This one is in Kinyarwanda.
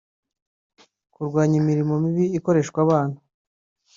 kurwanya imirimo mibi ikoreshwa abana